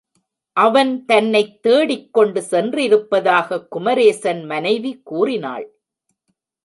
அவன் தன்னைத் தேடிக்கொண்டு சென்றிருப்பதாக குமரேசன் மனைவி கூறினாள்.